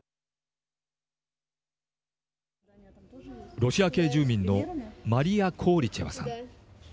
ロシア系住民のマリア・コーリチェワさん。